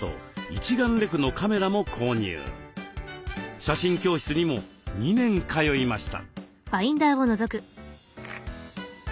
写真教室にも２年通いました。